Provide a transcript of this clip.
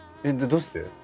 どうして？